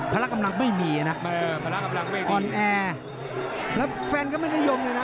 ละกำลังไม่มีนะพละกำลังไม่ออนแอร์แล้วแฟนก็ไม่นิยมเลยนะ